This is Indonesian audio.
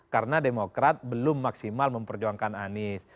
karena demokrat belum maksimal memperjuangkan anies